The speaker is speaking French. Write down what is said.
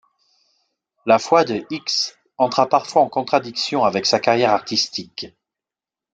La foi de Hicks entra parfois en contradiction avec sa carrière artistique.